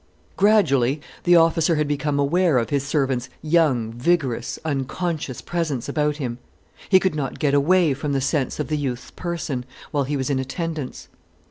Gradually the officer had become aware of his servant's young, vigorous, unconscious presence about him. He could not get away from the sense of the youth's person, while he was in attendance.